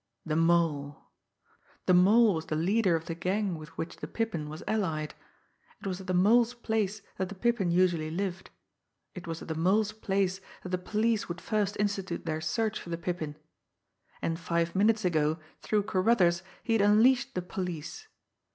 The Mole! The Mole was the leader of the gang with which the Pippin was allied; it was at the Mole's place that the Pippin usually lived; it was at the Mole's place that the police would first institute their search for the Pippin and five minutes ago, through Carruthers, he had unleashed the police!